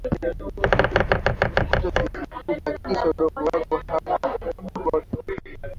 kupata viazi vikubwa hakikisha udongo wako hauna kokoto